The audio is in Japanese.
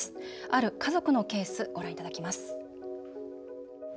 ある家族のケースご覧いただきます。